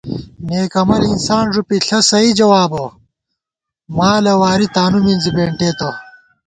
نېک عمل انسان ݫُپی ݪہ سئ جوابہ مالہ واری تانُو مِنزی بېنٹېتہ